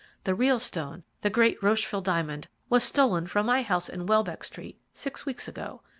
The real stone, the great Rocheville diamond, was stolen from my house in Welbeck Street six weeks ago.